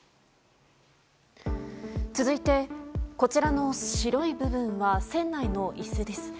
続いて、こちらの白い部分は船内の椅子です。